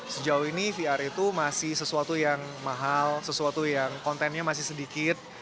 sejauh ini vr itu masih sesuatu yang mahal sesuatu yang kontennya masih sedikit